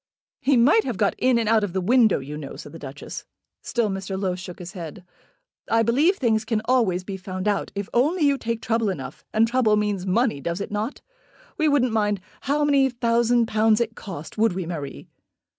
"He might have got in and out of the window, you know," said the Duchess. Still Mr. Low shook his head. "I believe things can always be found out, if only you take trouble enough. And trouble means money; does it not? We wouldn't mind how many thousand pounds it cost; would we, Marie?"